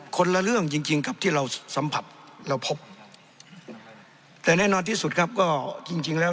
คนละเรื่องจริงจริงกับที่เราสัมผัสเราพบแต่แน่นอนที่สุดครับก็จริงจริงแล้ว